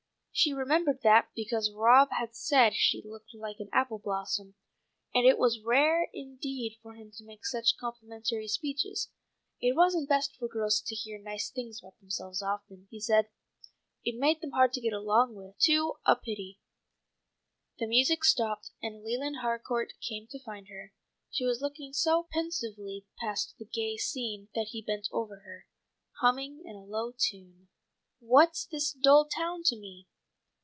She remembered that because Rob had said she looked like an apple blossom, and it was rare indeed for him to make such complimentary speeches. It wasn't best for girls to hear nice things about themselves often, he said. It made them hard to get along with, too uppity. The music stopped and Leland Harcourt came to find her. She was looking so pensively past the gay scene that he bent over her, humming in a low tone: "'What's this dull town to me?